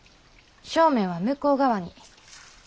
正面は向こう側に。